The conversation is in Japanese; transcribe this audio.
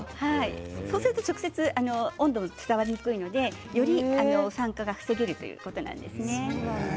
そうすると直接、温度が伝わりにくいので、より酸化が防げるということなんです。